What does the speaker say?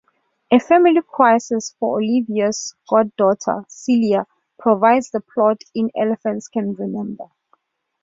A family crisis for Oliver's goddaughter Celia provides the plot in "Elephants Can Remember".